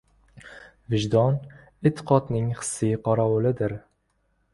Vijdon – e’tiqodning hissiy qorovulidir.